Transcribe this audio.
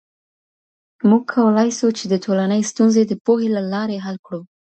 موږ کولای سو چې د ټولنې ستونزې د پوهې له لارې حل کړو.